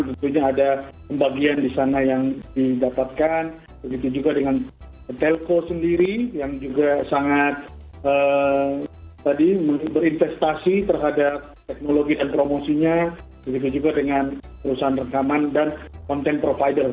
tentunya ada pembagian di sana yang didapatkan begitu juga dengan telko sendiri yang juga sangat berinvestasi terhadap teknologi dan promosinya begitu juga dengan perusahaan rekaman dan konten provider